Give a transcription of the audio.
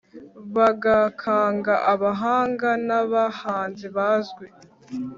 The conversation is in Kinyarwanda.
bagakanga abahanga n’abahanzi bazwi